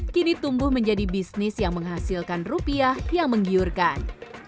kini tumbuh menjadi bisnis yang menghasilkan rupiah yang menggiurkan